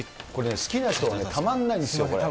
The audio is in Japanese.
好きな人はたまんないんですよ。